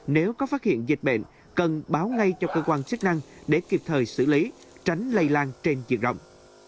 nếu có phát hiện dịch bệnh cần báo ngay cho cơ quan chức năng để kịp thời xử lý tránh lây lan trên diện rộng